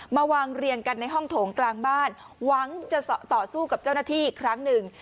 มาวางเรียงกันในห้องโถงกลางบ้านหวังจะต่อสู้กับเจ้าหน้าที่อีกครั้งหนึ่ง